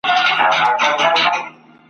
ستا د ګرېوان ستا د پېزوان لپاره !.